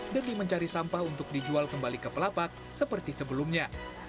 demi mencari sampah untuk dijual kembali ke pelapak seperti sebelumnya